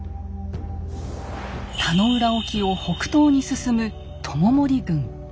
田野浦沖を北東に進む知盛軍。